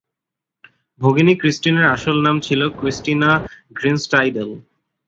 ভগিনী Christine এর আসল নাম ছিল ক্রিস্টিনা গ্রিনস্টাইডেল।